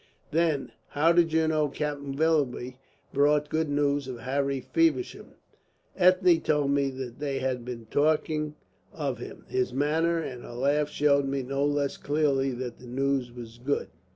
"Then how do you know Captain Willoughby brought good news of Harry Feversham?" "Ethne told me that they had been talking of him. Her manner and her laugh showed me no less clearly that the news was good."